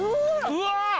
うわ！